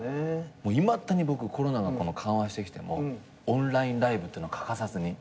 いまだに僕コロナのこの緩和してきてもオンラインライブっていうの欠かさずにやってまして。